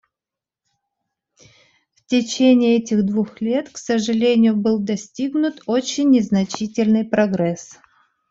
В течение этих двух лет, к сожалению, был достигнут очень незначительный прогресс.